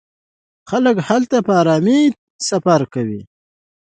خلک هلته په ارامۍ سفر کوي.